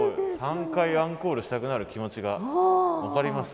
３回アンコールしたくなる気持ちが分かります。